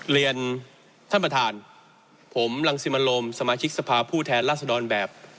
เรียนท่านประธานผมรังสิมรมสมาชิกสภาพผู้แทนราษฎรแบบ